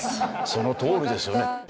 そのとおりですよね。